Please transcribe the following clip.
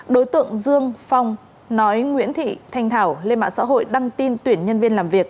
đối tượng dương phong nói nguyễn thị thanh thảo lên mạng xã hội đăng tin tuyển nhân viên làm việc